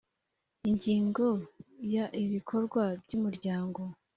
ingingo ya ibikorwa by umuryango